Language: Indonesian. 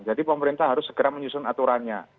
jadi pemerintah harus segera menyusun aturannya